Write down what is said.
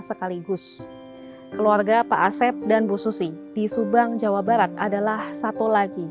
sekaligus keluarga pak aset dan bususi di subang jawa barat adalah satu lagi